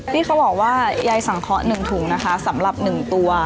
นี่เขาบอกว่ายายสั่งเคาะหนึ่งถุงนะคะสำหรับหนึ่งตัว